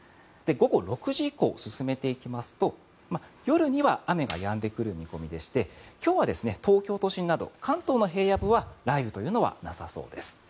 午後６時以降、進めていきますと夜には雨がやんでくる見込みでして今日は東京都心など関東の平野部では雷雨というのはなさそうです。